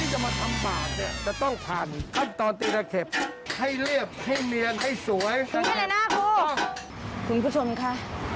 สวัสดีค่ะ